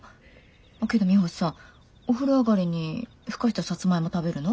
あけどミホさんお風呂上がりにふかしたサツマイモ食べるの？